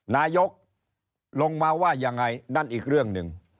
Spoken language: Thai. นายกลงมาว่ายังไงนั่นอีกเรื่องหนึ่ง